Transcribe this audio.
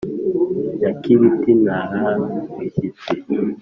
Nyakibi ntarara bushyitsi